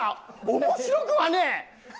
面白くはねえ！